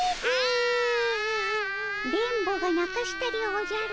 電ボがなかしたでおじゃる。